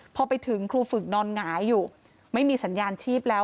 พอไปถึงครูฝึกนอนหงายอยู่ไม่มีสัญญาณชีพแล้ว